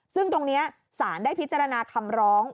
ซึ่งตรงนี้ศาลรัฐธรรมได้พิจารณาคำร้อง